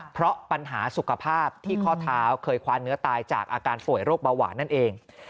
เพราะปัญหาสุขภาพที่ข้อเท้าเคยคว้าเนื้อตายจากอาการป่วยโรคเบาหวานนั่นเอง